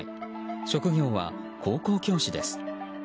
職業は高校教師です。